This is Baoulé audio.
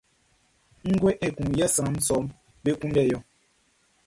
Ngue ekun yɛ sran sɔʼm be kunndɛ ɔ?